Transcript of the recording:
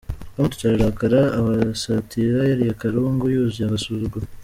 Bamututse ararakara abasatira yariye Karungu yuzuye agasuzuguro.